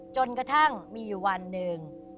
จนกระทั่งมีอยู่วันหนึ่ง